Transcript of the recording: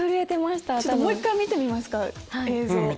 もう１回見てみますか映像。